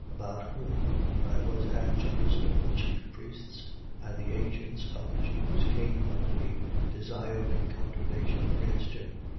25:15. About whom, when I was at Jerusalem, the chief priests and the ancients of the Jews came unto me, desiring condemnation against him.